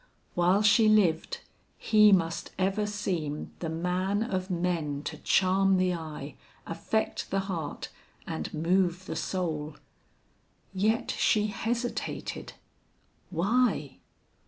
While she lived, he must ever seem the man of men to charm the eye, affect the heart, and move the soul. Yet she hesitated. Why?